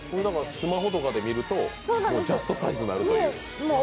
スマホとかで見るとジャストサイズになるという。